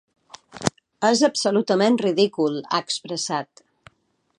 És absolutament ridícul, ha expressat.